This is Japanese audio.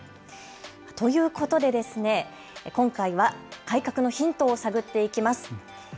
ということで今回は改革のヒントを探っていきます。